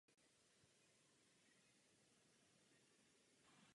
Každá z těchto sekcí má samostatný vchod z bočních stěn.